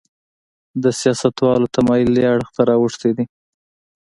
د سیاستوالو تمایل دې اړخ ته راوښتی دی.